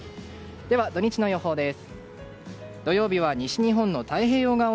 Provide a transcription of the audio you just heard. では土日の予報です。